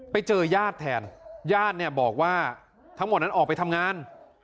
ไปเจอยาดแทนยาดบอกว่าทั้งหมดนั้นออกไปทำงาน